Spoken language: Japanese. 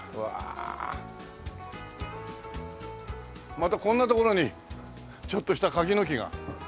またこんな所にちょっとした柿の木が。